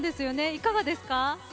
いかがですか？